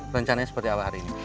rencananya seperti apa hari ini